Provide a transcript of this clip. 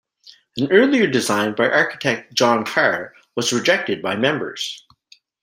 An earlier design by architect John Carr was rejected by members.